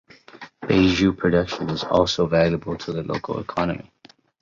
Baijiu production is also valuable to the local economy.